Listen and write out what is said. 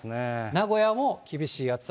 名古屋も厳しい暑さ。